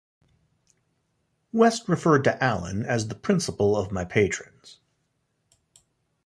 West referred to Allen as the principal of my patrons.